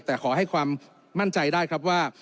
แต่ขอให้ความมั่นใจได้ครับว่า